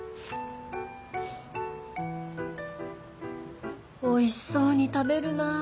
心の声おいしそうに食べるなあ。